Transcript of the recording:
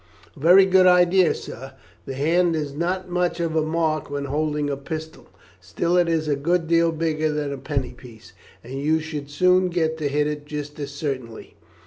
"A very good idea, sir. The hand is not much of a mark when holding a pistol, still it is a good bit bigger than a penny piece, and you would soon get to hit it just as certainly."